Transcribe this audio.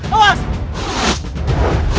lajun banyak democracy